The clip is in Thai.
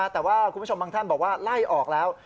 แต่ว่าคุณผู้ชมบางท่านบอกว่าไล่ออกแล้ว